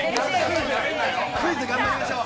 クイズ頑張りましょう。